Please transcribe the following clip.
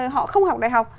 họ không học đại học